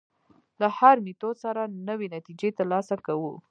له هر میتود سره نوې نتیجې تر لاسه کوو.